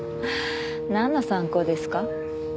なんの参考ですか？